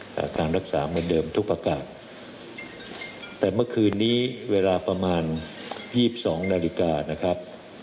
การรักษาเหมือนเดิมทุกประกาศแต่เมื่อคืนนี้เวลาประมาณ๒๒นาฬิกานะครับ